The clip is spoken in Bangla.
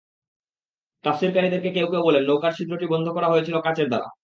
তাফসীরকারদের কেউ কেউ বলেন, নৌকার ছিদ্রটি বন্ধ করা হয়েছিল কাঁচের দ্বারা।